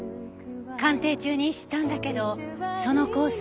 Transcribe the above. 鑑定中に知ったんだけどそのコース